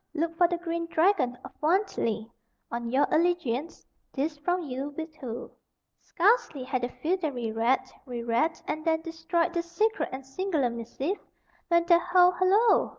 Look for the green dragon of Wantley. On your allegiance. This from ye wit who." Scarcely had the feodary read, re read, and then destroyed this secret and singular missive, when the "Ho! hollo!"